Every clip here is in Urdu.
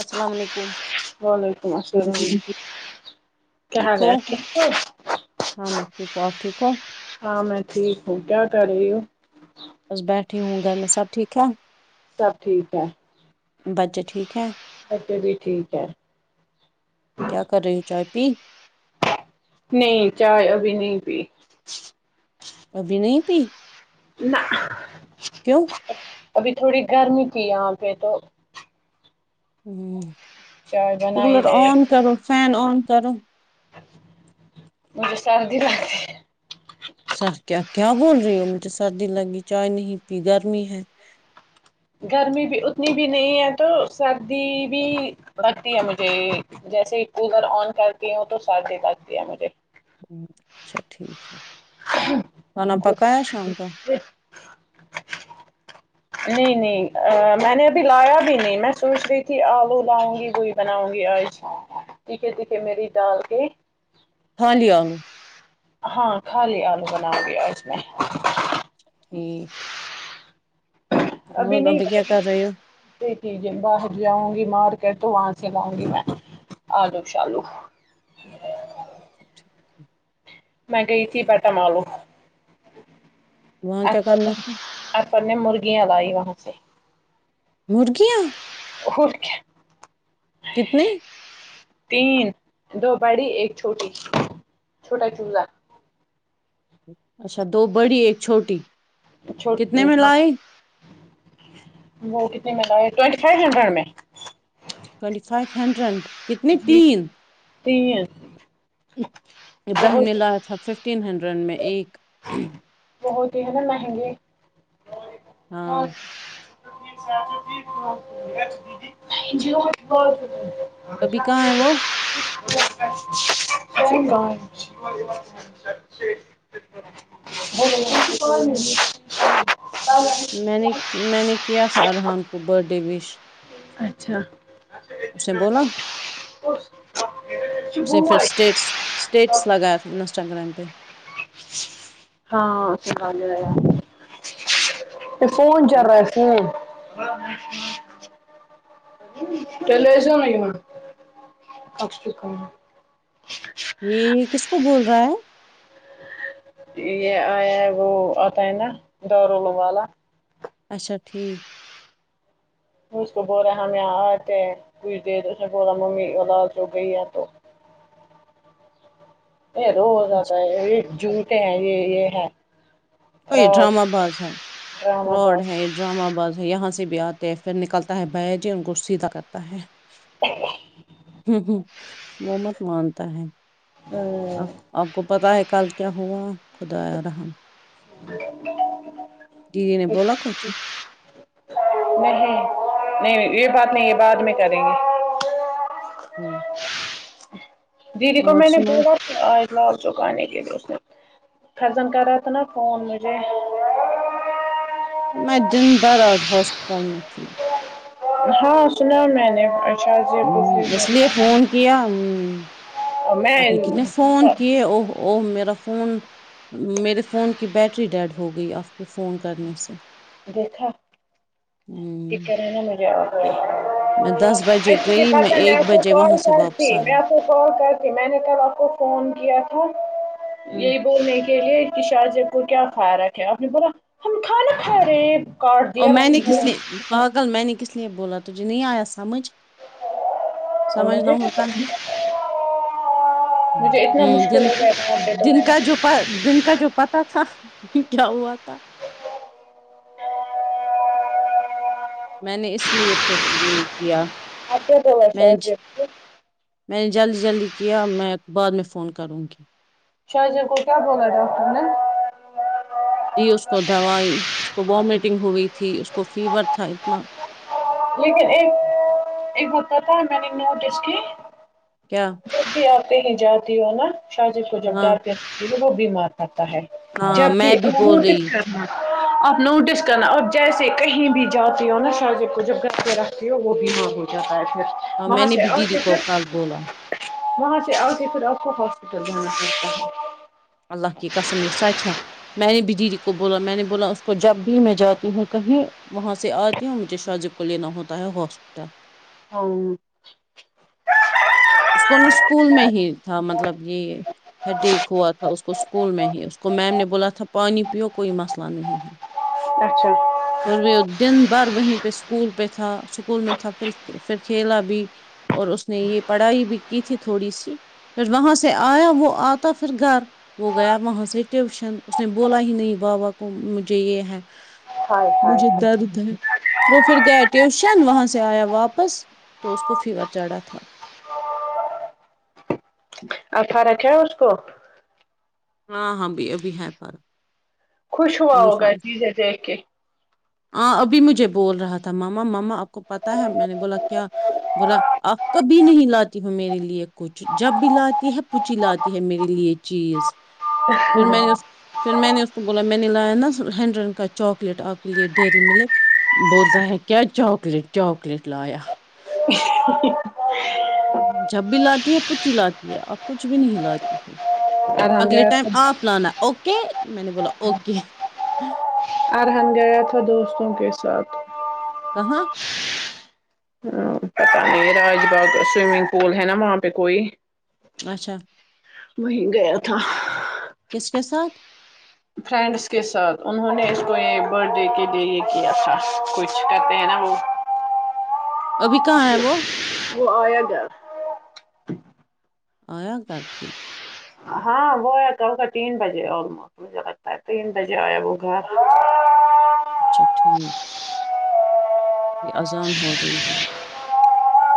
السلام علیکم وعلیکم السلام کیا حال ٹھیک ہو ہے ہاں میں ٹھیک ہوں آپ ٹھیک ہو ہاں میں ٹھیک ہو کیا کر رہے ہو بس بیٹھی ہوں گھر میں سب ٹھیک ٹھاک سب ٹھیک ہے بچے ٹھیک ہے بچے بھی ٹھیک ہے کیا کر رہی ہوں چائے پی نہیں چائے ابھی نہیں پی ابھی نہیں پی [unintelligible] کیوں ابھی تھوڑی گرمی کی یہاں پہ تو ہوں چائے بنا ہی کولر رہے آن کرو فین آن کرروں مجھے سادی باتات سر کیا کیا بول رہی ہو مجھے سردی لگی چائے نہیں پی گرمی ہے گرمی بھی اتنی بھی نہیں ہے تو سردی بھی لگتی ہے مجھے جیسے کولر آن کرتی ہوں تو سردی لگتی ہے مجھے اچھا ٹھیک ہے کانا پکایا شام کو یہ نہیں نہیں میں نے ابھی لایا بھی نہیں میں سوچ رہی تھی آلو لاؤں گی گوئی بناؤں گی آج دکھے دیکھے میری ڈال کے تھال آو ہاں خالی آلو بناؤ گے آج میں ایک اور ابھی کیا کر رہے ہو ٹیک ہے باہر جاؤں گی مارکٹ تو وہاں سے لاؤں گی میں آلو شالو [inaudible] میں گئی تھی بٹ م لو [inaudible] وہاں کیا کرنا تھا پر نے مرغیاں لائی وہاں سے مرغیاں ہوور کیا کتنی تین دو بڑی ایک چھوٹی چھوٹا چوزا اچھا دو بڑی ایک چھوٹی چھوٹ کتنے میں ہ لائی [inaudible] وہ کتنے منگ ٹوینٹی فائیو ہنڈریڈ میں ٹوئونٹی فائیو ہنڈرینڈ کتنے جی تین تین ابراہیم بہت الل تھاب ففٹین ہنڈریڈ میں ایک بہت ہی ہے نا مہنگے ہاں [inaudible] ابھی ہشا کہاں ہے وہ [inaudible] میں نے میں نے کیا تھا ارحان کو برت ڈے وش اچھا اسے بولا اسے پھر اسٹیٹس اسٹیٹس لگایا تھا انسٹاگرام پہ ہاں سگال ار [inaudible] پ فون چل رہا دیکھ س [inaudible] جچ [inaudible] تل ایسا نک م [inaudible] [inaudible] یہ کس کو بول رہا ہے یہ آیا ہے وہ آتا ہے نا دارولوم والا اچھا ٹھیک اس کو بول رہے ہم یہاں آتے پوچھ دے تو اس نے بولا ممی لال چوک گئی ہے تو یہ اور اچھا اتے ہیں یہ جھوٹے ہیں یہ یہ ہے او یہ فراڈ ڈرامہ باز ہے ڈرامہ فراڈ ہے باز یہ ڈرامہ باز ہے یہاں سے سے بھی آتے ہے پھر نکلتا ہے بایا جی ان کو سیدھا کرتا ہے ہمم ہمم وہ مت مانتا ہے آ آپ کو پتا ہے کل کیا ہوا خدا رحم دیدی نے بولا کچھ نہیں نہیں یہ بات نہیں ہے بعد میں کریں گے ہمم دیدی کو میں نے بولا تھا آج لال چوک آنے کے لیے اس نے فیضان کر رہا تھا نہ فون مجھے میں ڈن بر آج ہاسپتل میں تھی ہاں سنا میں نے شاید یہ ہمم پوچھی اس لیے ہے فون کیا ہے جی آپ میں نے کتنے فون کیے اوہ اوہ میں فون میرے فون کی بیٹری ڈیڈ ہو گئی آپ کے فون کرنے سے دیکھا ہوں دکر رہ ہے نا مجھے اور میں دس بجے [inaudible] گئی پتا میں ایک آپ کو بجے وہاں کال سے کرتی واپس میں آئی اپ کو کال کر تی میں نے کل آپ کو فون کیا تھا ہ یہی بولنے کے لیے کہ شازیہ کو کیا فرق ہے آپ نے بولا ہم کھانا کھا رہے کاٹ اور دیا میں نے کس فون، نے پاگل میں نے کس لیے بولا تجھے نہیں ایا سمجھ اور سمجھ نہ مجھے ہوتا ہے نہ مجھے اتنا ہمم مشکل جن ہو گیا وہاں پہ تو دن میں کا جو دن کا جو پتاہ تھا یہ کیا ہوا تھا [inaudible] میں نے اس لیے پھر یہ کیا آگے بولا میں نے شاہ جی کو میں نے جلدی جلدی کیا میں بعد میں فون کروں گی شازیہ کو کیا بولا ڈاکٹر نے جی اس کو دوائی اس کو وامٹنگ ہوئی تھی اس کو فیور تھا اتنا لیکن ایک ایک بتار میں نہیںن نوٹس کی کیا کہ جیادی ہو نا شاجب کو جب ہاں گا پ وہ بیمار پڑتا ہاں جب بھی میں بول اپم رہی کرنا آپ نوٹس کرنا اپ جیسے کہیں بھی جاتی ہو نا شاہذب کو جب رتے ہو وہ بیمار ہو جاتا ہے اور وہ میں نے سے بھی آ دیدی پھر کو کل بولا وہاں سے آ کے پھر آپ کو ہاسپٹل جانا پڑتا ہے اللہ کی قسم یہ سچ ہے میں نے دی کو بولا میں نے بولا اس کو جب بھی میں جاتی ہوں کہیں وہاں سے آتی ہوں مجھے شاہ زب کو لینا ہوتا ہے ہاسپٹل ہاں [unintelligible] اور اچھا وہ دن بھر وہیں پہ اسکول پہ تھا اسکول میں تھا پھر پھر کھیلا بھی اور اس نے یہ پڑھائی بھی کی تھی تھوڑی سی پھر وہاں سے آیا وہ آتا پھر گھر وہ گیا وہاں سے ٹیوشن اس نے بولا ہی نہیں بابا کو مجھے یہ ہے ہائے ہائے مجھے درد ہے وہ پھر گیا ٹیوشن وہاں سے آیا واپس تو اس کو فیور چڑھا تھا اچھا رکھا ہے اس کو ہاں ہاں ب ابھی ہے پارک خوش ہوا ہوگا چیزیں دیکھ کے ہاں ابھی مجھے بول رہا تھا ماما ماما آپ کو پتا ہے میں نے بولا کیا بولا آپ کبھی نہیں لاتی ہو میرے لیے کچھ جب بھی لاتی ہے پچی لاتی ہے میرے لیے چیز پھر میں نے اس [unintelligible] پھر میں نے اس کو بولا میں نے لایا ن ہینڈرین کا چاکلیٹ آپ کے لیے ڈیری ملک بوزا ہے کیا چاکلیٹ چاکلیٹ لایا جب بھی لاتی ہے کچھ ہی لاتی ہے اب کچھ بھی نہیں لاتی ہے ارحان اگلے گیا ٹائم تھا آپ لانا اوکے اک میں نے بولا اوکے ارہن گیا تھا دوستوں کے ساتھ کہاں [unintelligible] اچھا وہیں گیا تھا اس کے ساتھ فرینڈس کے ساتھ انہوں نے اس کو یہ برت ڈے کے لیے یہ کیا تھا کچھ کہتے ہیں نا وہ ابھی کہاں ہے وہ وہ آیا گھر آیا گ ٹھیک ہاں وہ ہےیا تو گھر تین بجے آلموسٹ مجھے لگتا ہے تین بجے آیا وہ گھر اچھا ٹھیک آذان ہو رہی ہے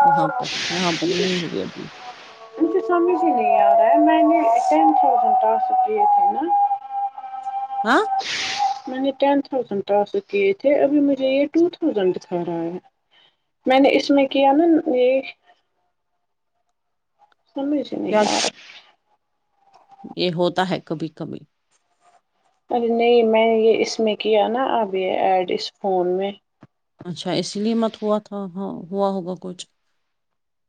وہاں پر یہاں پر نہیں ہوئے ابھی مجھے سمجھ ہی نہیں آ رہا ہے میں نے ٹین تھازینڈ ٹاسک کیے تھے نا ہاں میں نے ٹین تھازینڈ ٹاسک کیے تھے ابھی مجھے یہ ٹو تھاؤزین دکھا رہا ہے میں نے اس میں کیا نا یہ سمج سے نہیں کیا یہ ہوتا ہے کبھی کبھی ارے نہیں میں نے یہ اس میں کیا نا اب یہ ایڈ اس فون میں اچھا اسی لیے مت ہوا تھا ہوا ہوگا کچھ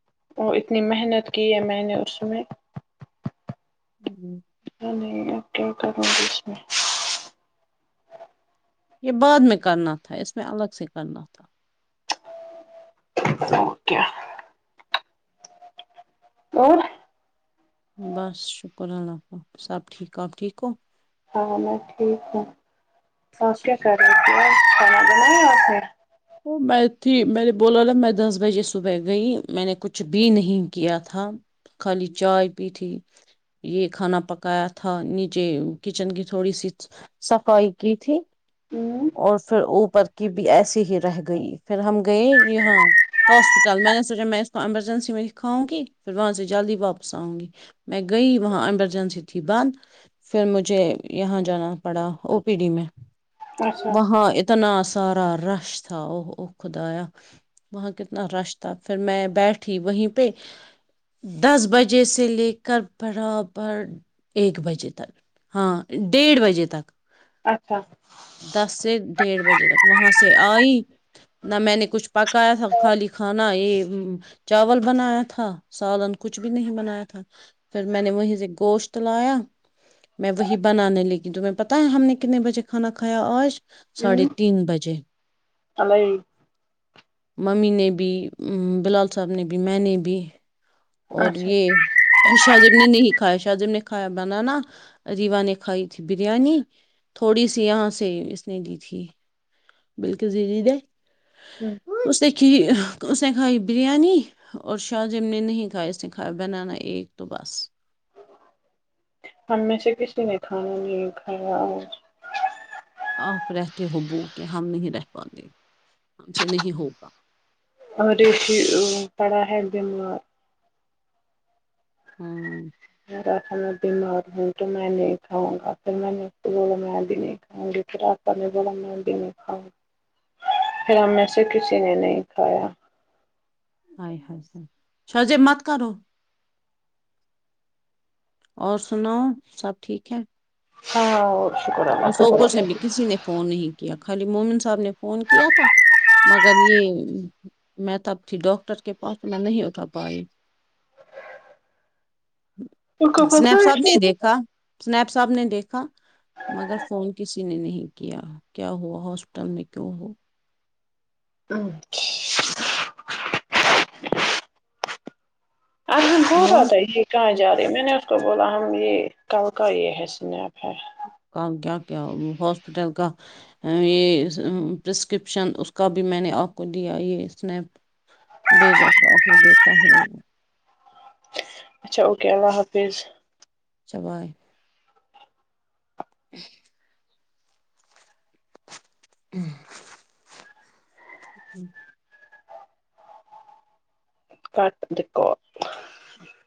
[unintelligible] [unintelligible] نہیں کیا کروں ک اس میں یہ بعد میں کرنا تھا اس میں الگ سے کرنا تھا اوک [unintelligible] اور بس شکر اللہ سب ٹھیک آپ ٹھیک ہو ہاں میں ٹھیک ہوں اورک کیا کر رہی تھی بھ مج میں وسے وہ میں تھی میں نے بولا ل میں دس بجے صبح گئی میں نے کچھ بھی نہیں کیا تھا خالی چائے پی تھی یہ کھانا پکایا تھا نیچے کچن کی تھوڑی سی صفائی کی تھی ہوں اور پھر اوپر کی بھی ایس ہی رہ گئی پھر ہم گئے یہاں ہاسپٹل میں نے سوچا میں اس کو ایمرجنسی میں دکھاؤں گی پھر وہاں سے جلدی واپس آؤں گی میں گئی وہاں ایمرجنسی تھی بند پھر مجھے یہاں جانا پڑا او پی ڈی میں اچھا وہاںاں اتنا سارا رش تھاا او او خدایا وہاں کتنا رش تھا پھر میں بیٹھی وہیں پہ دس بجے سے لے کر برابر ایک بجے تک ہاں ڈیڑھ بجے تک اچھا دس سے ڈیھ بجے تک وہاں سے آئی نہ میں نے کچھ پکایا تھا خالی کھانا یہ چاول بنایا تھا سالن کچھ بھی نہیں بنایا تھا پھر میں نے وہیں سے گوشت لایا میں وہی بنانے لگی تمہیں پتا ہے ہم نے کتنے بجے کھانا کھایا آج ساڑھے تین بجے اللائی ممی نے بھی بلال صاحب نے بھی میں نے بھی اور اچھا یہ شاہادب نے نہیں کایا شاہادب نے کھایا بنانا ریوا نے کھائی تھی بریانی تھوڑی سی یہاں سے اس نے دی تھی بالکل د دے ہ س کہ اس نے کھائی بریانی اور شاہ جم نے نہیں کھ کھائےست س خائے بنانا ای تو بس ہم میں سے کسی نے کھانا نہیں کھایا اور آپ رہتے ہو بو کہ ہم نہیں رہ پا گے ہم سے نہیں ہوگا اور ریشی پڑا ہے دمار ہاں ا میں بیمار ہوں تو میں نہیں کھاؤں گا پھر میں نے کو بولا میں ابھی نہیں کھاؤں گی پھر آپا نے بولا میں ابھی نہیں کاؤں گی پھر ا میں سے کسی نے نہیں کھایا شاہ ج مت کرو [unintelligible] اور سنو سب ٹھیک ہے ہاں شکر وہ اللہ کا سوپ سے بھی کسی نے فون نہیں کیا خالی مومن صاحب نے فون کیا تھا مگر یہ میں تب تھی ڈاکٹر کے پاس میں نہیں اٹھا پائی ان کو سنیپ پتہ ساپ ہے نے دیکھا سنیپ صاب نے دیکھا مگر فون کسی نے نہیں کیا کیا ہوا ہاسپٹل میں کیوں ہو ا پورا اور تھا ہی کہاں جا رہے میں نے تو بولا ہم یہ کل کا یہ ہے سنیپ ہے کا کیا کیا ہاسپٹل کا یہ پرسکرپشن اس کا بھی میں نے آپ کو دیا یہ اسنیپ بھیجا تو آپ نے دیتا ہے اچھا اوکے اللہ حافظ چبائے ج ہ کٹ دھو جی